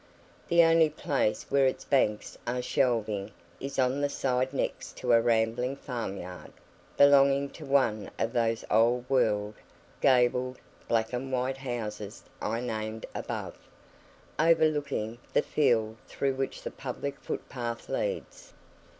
The only place where its banks are shelving is on the side next to a rambling farm yard, belonging to one of those old world, gabled, black and white houses I named above, overlooking the field through which the public footpath leads.